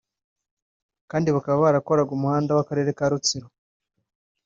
kandi bakaba barakoraga umuhanda w’akarere ka Rutsiro